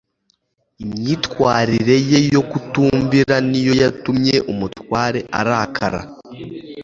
Imyitwarire ye yo kutumvira niyo yatumye umutware arakara